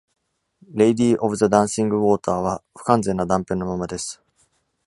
「Lady Of The Dancing Water」は不完全な断片のままです。